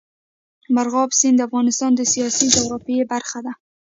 مورغاب سیند د افغانستان د سیاسي جغرافیه برخه ده.